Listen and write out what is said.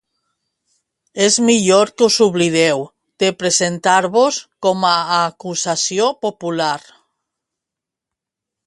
És millor que us oblideu de presentar-vos com a acusació popular.